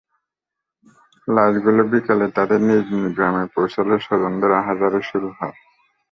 লাশগুলো বিকেলে তাঁদের নিজ নিজ গ্রামে পৌঁছালে স্বজনদের আহাজারি শুরু হয়।